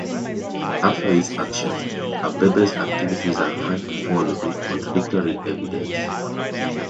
After this action, Abebe's activities are hard to follow due to contradictory evidence.